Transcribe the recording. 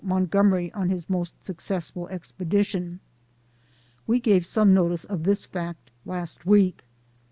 Montgomery on his most successful expedition. We gave some notice of this fact last week.